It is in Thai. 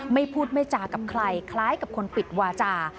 ไม่พูดไม่จากับใครคล้ายกับคนปิดวาจา